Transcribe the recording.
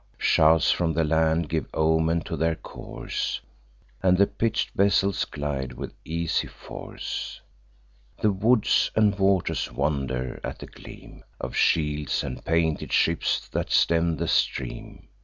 Shouts from the land give omen to their course, And the pitch'd vessels glide with easy force. The woods and waters wonder at the gleam Of shields, and painted ships that stem the stream.